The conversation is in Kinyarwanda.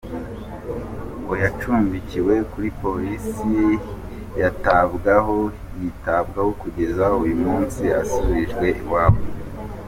Ngoyacumbikiwe kuri Police yitabwaho kugeza uyu munsi asubijwe iwabo.